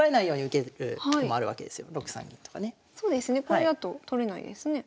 これだと取れないですね。